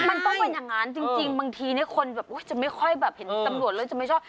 มันต้องเป็นอย่างนั้นจริงมันอยากจะที่ไม่เห็นตำรวจเลย